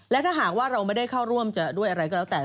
และถ้าหากว่าเราไม่ได้เข้าร่วมจะด้วยอะไรก็แล้วแต่